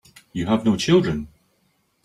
You have no children.